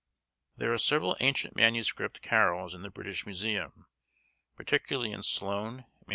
There are several ancient MS. carols in the British Museum, particularly in Sloane MS.